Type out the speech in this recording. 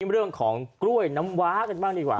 เรื่องของกล้วยน้ำว้ากันบ้างดีกว่า